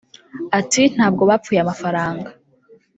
Ati “Ntabwo bapfuye amafaranga